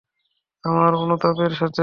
আমার অনুতাপের সাথে?